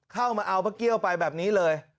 เข้ามาเอาป้าเกี้ยวไปแบบนี้เลย